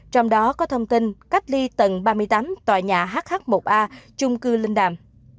trong đó có thông tin cách ly tầng ba mươi tám tòa nhà hh một a chung cư linh đàm